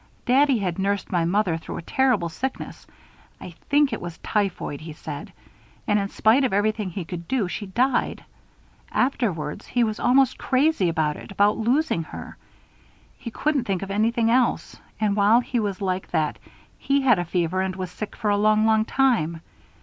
Daddy had nursed my mother through a terrible sickness I think it was typhoid, he said and in spite of everything he could do, she died. Afterwards he was almost crazy about it about losing her. He couldn't think of anything else. And while he was like that, he had a fever and was sick for a long, long time.